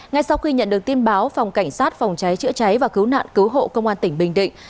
ngay sau khi nhận được tin báo phòng cảnh sát phòng cháy chữa cháy và cứu nạn cứu hộ công an tỉnh bình định